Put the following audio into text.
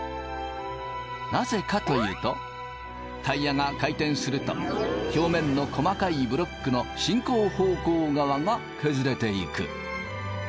なぜかというとタイヤが回転すると表面の細かいブロックの進行方向側が削れていく。